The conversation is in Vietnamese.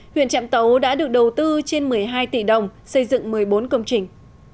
huyện trạm tấu đã được đầu tư trên một mươi hai tỷ đồng xây dựng một mươi bốn công trình